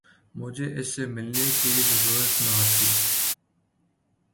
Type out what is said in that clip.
مجھے اسے ملنے کی ضرورت نہ تھی